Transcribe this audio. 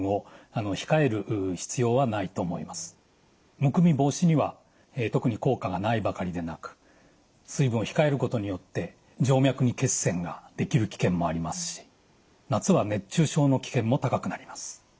むくみ防止には特に効果がないばかりでなく水分を控えることによって静脈に血栓ができる危険もありますし夏は熱中症の危険も高くなります。